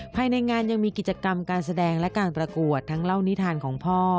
ภายในงานยังมีกิจกรรมการแสดงและการประกวดทั้งเล่านิทานของพ่อ